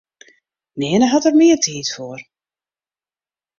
Nearne hat er mear tiid foar.